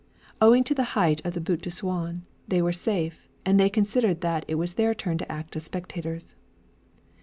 Owing to the height of the Butte de Souain, they were safe, and they considered that it was their turn to act as spectators.